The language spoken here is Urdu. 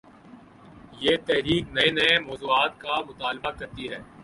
یہ 'تحریک‘ نئے نئے مو ضوعات کا مطالبہ کر تی ہے۔